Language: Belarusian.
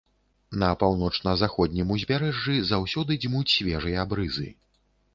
На паўночна-заходнім узбярэжжы заўсёды дзьмуць свежыя брызы.